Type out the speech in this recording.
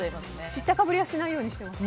知ったかぶりはしないようにしています？